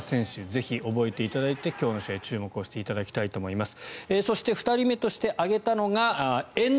ぜひ覚えていただいて今日の試合注目していただきたいと思います。